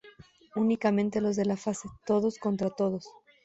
Únicamente los de la fase todos contra todos.